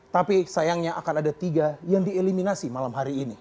tapi sayangnya akan ada tiga yang dieliminasi malam hari ini